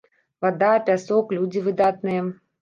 Вада, пясок, людзі выдатныя.